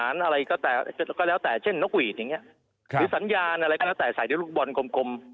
อะไรก็แต่ก็แล้วแต่เช่นนกหวีดอย่างเงี้ยหรือสัญญาณอะไรก็แล้วแต่ใส่ด้วยลูกบอลกลมกลม